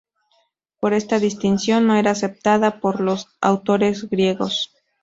Pero esta distinción no era aceptada por los autores griegos.